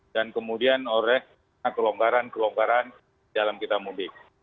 dan kemudian oleh kelombaran kelombaran dalam kita mudik